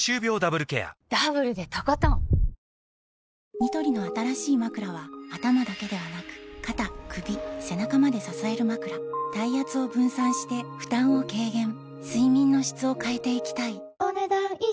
ニトリの新しいまくらは頭だけではなく肩・首・背中まで支えるまくら体圧を分散して負担を軽減睡眠の質を変えていきたいお、ねだん以上。